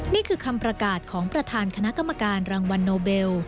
นี่คือคำประกาศของประธานคณะกรรมการรางวัลโนเบล